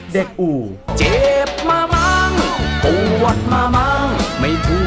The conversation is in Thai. เด็กอู่